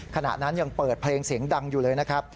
ขณะนั้นยังเปิดเพลงเสียงดังอยู่เลยนะครับ